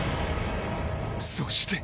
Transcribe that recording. そして。